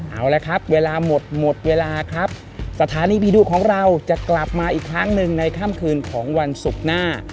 เอาละครับเวลาหมดหมดเวลาครับสถานีผีดุของเราจะกลับมาอีกครั้งหนึ่งในค่ำคืนของวันศุกร์หน้า